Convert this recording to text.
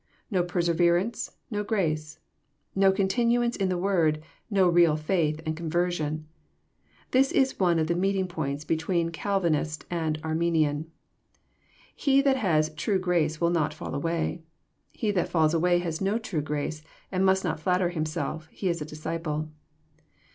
No persever ance, no grace ! No continuance in the word, no real faith and conversion I This Is one of the meeting points between Calvin ist and Arminian. He that has true grace will not fall away. He that falls away has no true grace, and must not flatter him self he is a disciple.